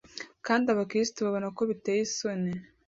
Kandi Abakristo babona ko biteye isoni